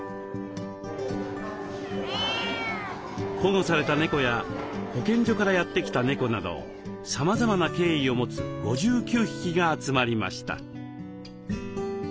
保護された猫や保健所からやって来た猫などさまざまな経緯を持つ５９匹が集まりました。